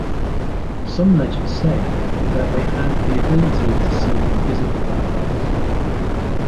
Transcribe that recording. Some legends say that they had the ability to see invisible vampires.